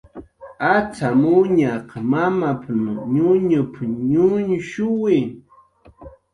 "Acxamuñaq mamap"" ñuñup"" ñuñshuwi "